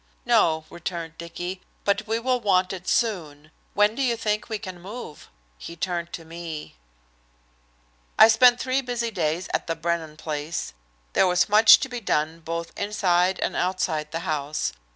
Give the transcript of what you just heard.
"No," returned Dicky, "but we will want it soon. When do you think we can move?" He turned to me. I spent three busy days at the Brennan place. There was much to be done both inside and outside the house.